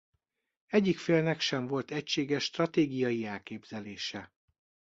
Egyik félnek sem volt egységes stratégiai elképzelése.